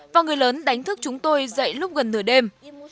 và người lớn đánh thức chúng tôi dậy lúc gần nửa đêm